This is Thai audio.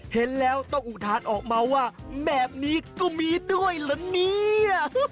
เห็นแล้วต้องอุทานออกมาว่าแบบนี้ก็มีด้วยเหรอเนี่ย